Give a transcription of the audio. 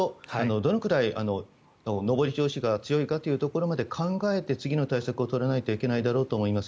どれくらい上り調子が強いかというところまで考えて次の対策を取らないといけないだろうと思います。